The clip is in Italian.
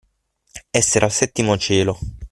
Essere al settimo cielo.